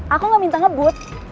aku gak minta ngebut